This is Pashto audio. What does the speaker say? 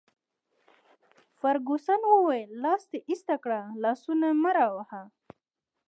فرګوسن وویل: لاس دي ایسته کړه، لاسونه مه راوهه.